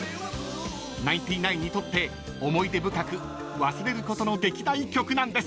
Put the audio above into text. ［ナインティナインにとって思い出深く忘れることのできない曲なんです］